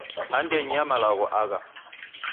Andenyi ya malagho agha